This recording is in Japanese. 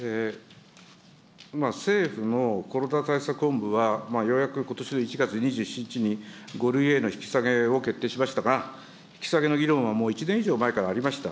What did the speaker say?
政府のコロナ対策本部は、ようやくことしの１月２７日に５類への引き下げを決定しましたが、引き下げの議論はもう１年以上前からありました。